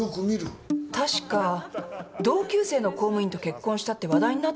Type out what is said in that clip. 確か同級生の公務員と結婚したって話題になってたもの。